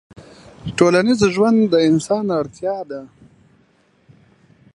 ټولنيز ژوند د انسان اړتيا ده